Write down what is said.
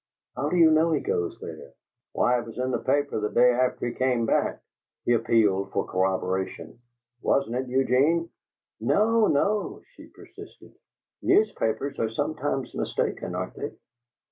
"How do you know he goes there?" "Why, it was in the paper the day after he came back!" He appealed for corroboration. "Wasn't it, Eugene?" "No, no!" she persisted. "Newspapers are sometimes mistaken, aren't they?"